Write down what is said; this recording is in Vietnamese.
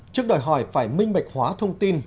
trước đòi hỏi phải minh mạch hóa thông tin